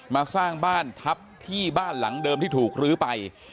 มาสร้างบ้านทับที่บ้านหลังเดิมที่ถูกลื้อไป